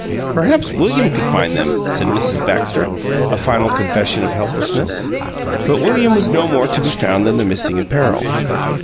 "Perhaps William could find them," said Mrs. Baxter, a final confession of helplessness. But William was no more to be found than the missing apparel.